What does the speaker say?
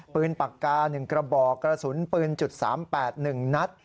ปืนปากกา๑กระบอกกระสุนปืน๓๘๑นัด